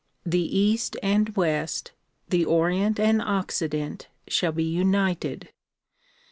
The east and west, the Orient and Occident shall be united.